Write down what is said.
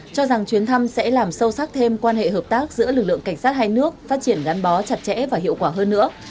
cho rằng chuyến thăm sẽ làm sâu sắc thêm quan hệ hợp tác giữa lực lượng cảnh sát hai nước phát triển gắn bó chặt chẽ và hiệu quả hơn nữa